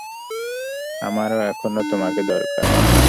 আমার এখনও তোমাকে দরকার।